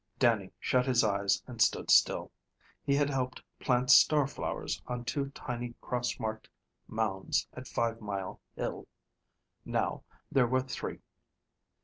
Dannie shut his eyes and stood still. He had helped plant star flowers on two tiny cross marked mounds at Five Mile Hill. Now, there were three.